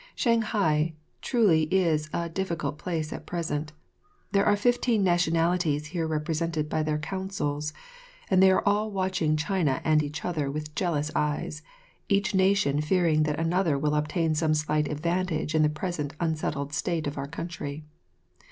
Shanghai truly is a difficult place at present. There are fifteen nationalities here represented by their consuls, and they are all watching China and each other with jealous eyes, each nation fearing that another will obtain some slight advantage in the present unsettled state of our country.